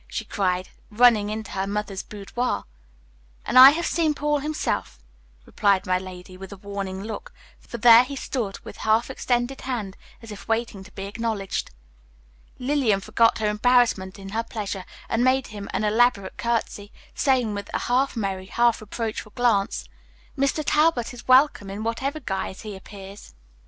she cried, running into her mother's boudoir. "And I have seen Paul himself," replied my lady, with a warning look, for there he stood, with half extended hand, as if waiting to be acknowledged. Lillian forgot her embarrassment in her pleasure, and made him an elaborate curtsy, saying, with a half merry, half reproachful glance, "Mr. Talbot is welcome in whatever guise he appears."